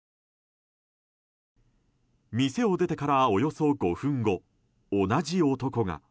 店を出てからおよそ５分後同じ男が。